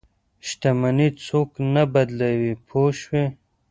شتمني څوک نه بدلوي پوه شوې!.